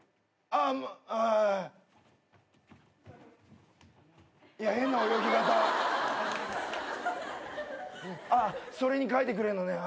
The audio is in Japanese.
ああそれに書いてくれんのね。